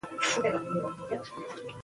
احمدشاه بابا د ولسي ارزښتونو ساتنه کوله.